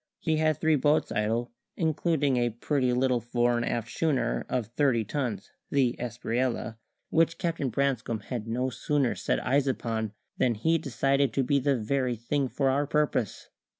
He had three boats idle, including a pretty little fore and aft schooner of thirty tons, the Espriella, which Captain Branscome had no sooner set eyes upon than he decided to be the very thing for our purpose.